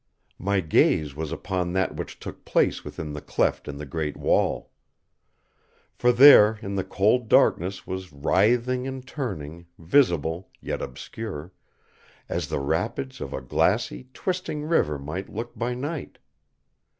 My gaze was upon that which took place within the cleft in the great wall. For there the cold darkness was writhing and turning, visible, yet obscure; as the rapids of a glassy, twisting river might look by night.